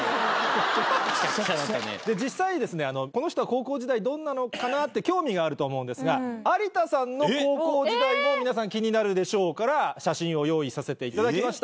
実際にこの人は高校時代どんなのかなって興味があるとは思うんですが有田さんの高校時代も皆さん気になるでしょうから写真を用意させていただきました。